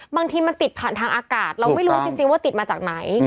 บางทีมันติดผ่านทางอากาศเราไม่รู้จริงว่าติดมาจากไหน